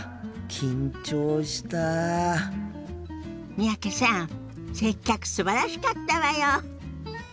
三宅さん接客すばらしかったわよ。